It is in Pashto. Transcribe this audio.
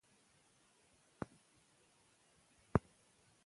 هغوی د خپلې خاورې د دفاع لپاره ډېرې سرښندنې وکړې.